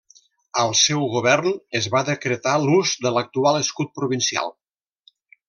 Al seu govern es va decretar l'ús de l'actual escut provincial.